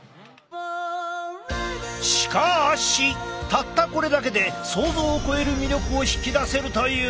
しかしたったこれだけで想像を超える魅力を引き出せるという。